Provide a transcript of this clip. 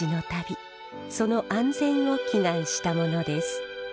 その安全を祈願したものです。